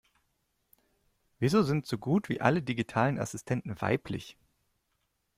Wieso sind so gut wie alle digitalen Assistenten weiblich?